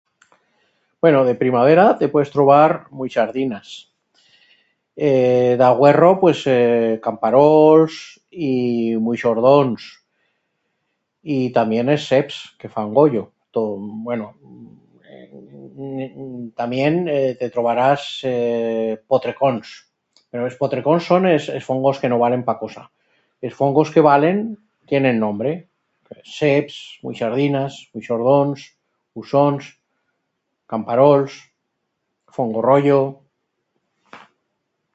Bueno, de primavera te puedes trobar muixardinas, ee d'aguerro pues ee camparols y muixordons... y tamién es seps, que fan goyo. Tot... bueno, ee, tamién ee te trobarás ee potrecons. Pero es potrecons son es es fongos que no valen ta cosa. Es fongos que valen tienen nombre: seps, muixardinas, muixordons, usons, camparols, fongo royo...